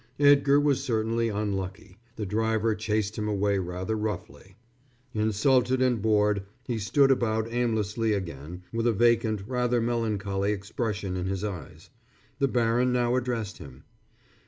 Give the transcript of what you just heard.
Edgar was certainly unlucky. The driver chased him away rather roughly. Insulted and bored, he stood about aimlessly again, with a vacant, rather melancholy expression in his eyes. The baron now addressed him.